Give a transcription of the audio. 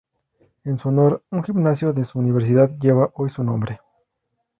En su honor, un gimnasio de su universidad lleva hoy su nombre.